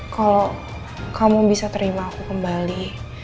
kalau kamu bisa terima aku kembali